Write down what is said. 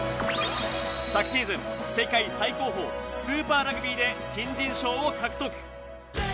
昨シーズン、世界最高峰スーパーラグビーで新人賞を獲得。